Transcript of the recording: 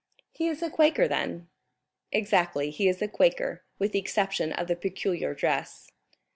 "He is a Quaker then?" "Exactly, he is a Quaker, with the exception of the peculiar dress."